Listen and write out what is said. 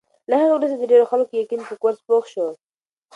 له هغې وروسته د ډېرو خلکو یقین په کورس پوخ شو.